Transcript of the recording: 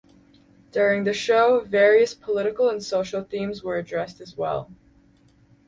During the show, various political and social themes were addressed as well.